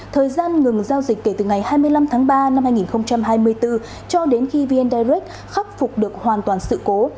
thời gian ngừng giao dịch kể từ ngày hai mươi năm tháng ba năm hai nghìn hai mươi bốn cho đến khi vn direct khắc phục được hoàn toàn sự cố